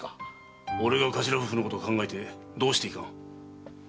俺が頭夫婦のことを考えてどうしていかん？